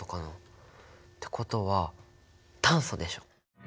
ってことは炭素でしょ！